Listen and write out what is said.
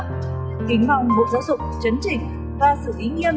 kính mong một giáo dục chấn trình và sự ý nghiêng